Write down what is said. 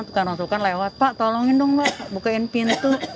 tukar untukkan lewat pak tolongin dong pak bukain pintu